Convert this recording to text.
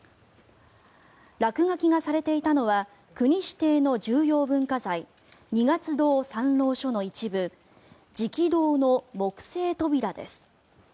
落書きがされていたのは国指定の重要文化財二月堂参籠所の一部食堂の木製扉です。